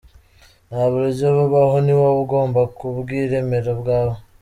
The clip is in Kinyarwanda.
Nta buryo bubaho, ni wowe ugomba kubwiremera ubwawe”.